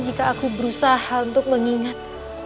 jika aku berusaha untuk mengingat